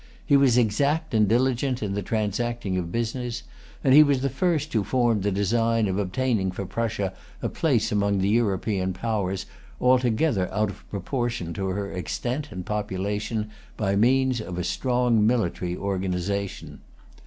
He was exact and diligent in the transacting of business; and he was the first who formed the design of obtaining for Prussia a place among the European powers, altogether out of proportion to her extent and population, by means of a strong military organization.